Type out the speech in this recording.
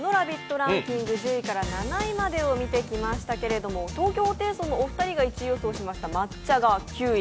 ランキング、１０位から７位までを見てきましたけど東京ホテイソンのお二人が１位予想しました抹茶が９位。